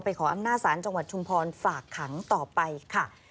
ขออำนาจศาลจังหวัดชุมพรฝากขังต่อไปค่ะ